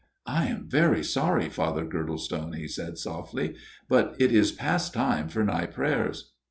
" I am very sorry, Father Girdlestone," he said softly ;" but it is past time for night prayers."